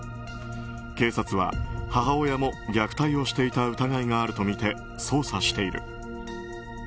警察は母親も虐待をしていた疑いがあるとみて捜査している。